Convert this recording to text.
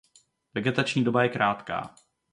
Vegetační doba je krátká.